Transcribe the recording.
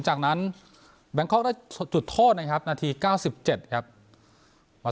จากนั้นแบงคอกได้จุดโทษนะครับนาทีเก้าสิบเจ็ดครับ